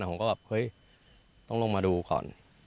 ผมก็แบบเฮ้ยต้องลงมาดูก่อน